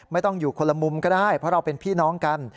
ไม่ต้องอยู่คนละมุมก็ได้เพราะเราเป็นพี่น้องกัน